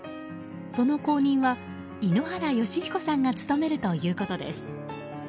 その後任は井ノ原快彦さんが務めるということです。